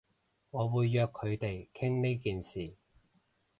我會約佢哋傾呢件事